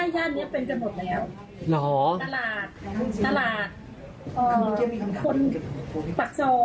ญ่านเนี้ยเป็นกันหมดแล้วเชิงว่า